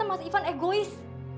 ternyata mas ivan egois